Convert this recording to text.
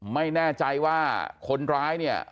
ไม่แน่ใจว่าคนร้ายเนี่ย